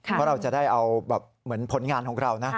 เพราะเราจะได้เอาแบบเหมือนผลงานของเรานะ